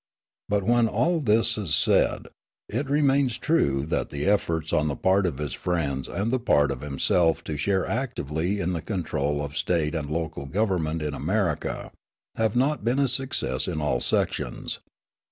But, when all this is said, it remains true that the efforts on the part of his friends and the part of himself to share actively in the control of State and local government in America have not been a success in all sections.